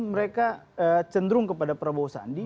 mereka cenderung kepada prabowo sandi